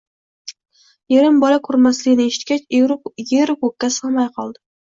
Erim bola ko`rmasligini eshitgach eru ko`kka sig`may qoldi